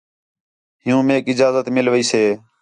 ہِیُّوں میک اجازت مِل ویسے